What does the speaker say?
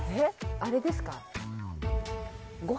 あれですか？